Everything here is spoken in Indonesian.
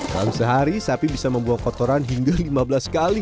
dalam sehari sapi bisa membawa kotoran hingga lima belas kali